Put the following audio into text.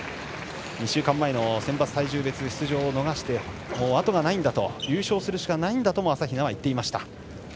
２週間前の選抜体重別出場を逃して後がないんだと優勝するしかないんだとも朝比奈は言っていました。